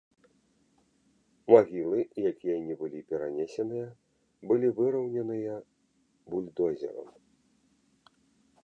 Магілы, якія не былі перанесеныя, былі выраўненыя бульдозерам.